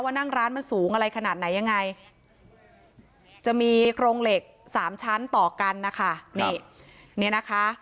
นั่งร้านมันสูงอะไรขนาดไหนยังไงจะมีโครงเหล็กสามชั้นต่อกันนะคะนี่เนี่ยนะคะ